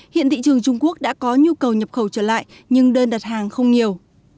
hiện thị trường trung quốc đã có nhu cầu nhập khẩu trở lại nhưng đơn đặt hàng không nhiều